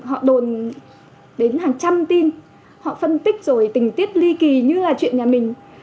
họ đồn đến hàng trăm tin họ phân tích rồi tình tiết ly kỳ như là chuyện nhà mình